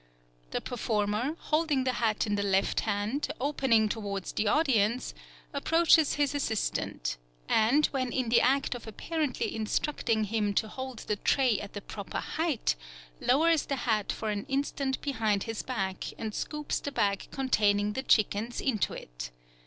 The performer, holding the hat in the left hand, opening towards the audience, approaches his assistant, and when in the act of apparently instructing him to hold the tray at the proper height, lowers the hat for an instant behind his back and scoops the bag containing the chickens into it.